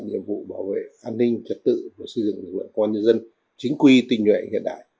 nhiệm vụ bảo vệ an ninh trật tự và xây dựng lực lượng công an nhân dân chính quy tình nguyện hiện đại